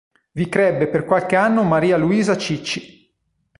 Vi crebbe per qualche anno Maria Luisa Cicci.